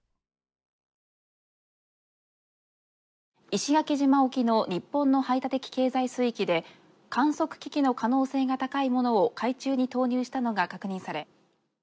「石垣島沖の日本の排他的経済水域で観測機器の可能性が高いものを海中に投入したのが確認され」。